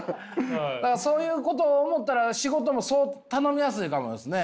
そういうことを思ったら仕事も頼みやすいかもですね。